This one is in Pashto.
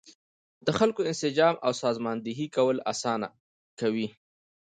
د خلکو انسجام او سازماندهي کول اسانه کوي.